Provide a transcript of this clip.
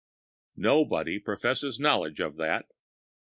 Nobody professes knowledge of that.